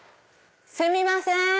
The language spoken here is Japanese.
すみません！